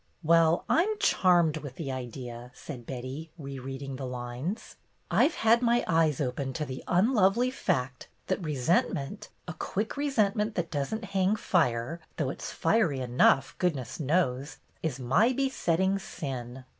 "Well, I 'm charmed with the idea," said Betty, rereading the lines. "I 've had my eyes opened to the unlovely fact that resent ment, a quick resentment that does n't hang fire, though it 's fiery enough, goodness knows, is my besetting sin."